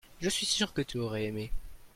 je suis sûr que tu aurais aimé.